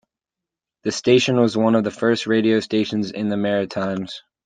The station was one of the first radio stations in the Maritimes.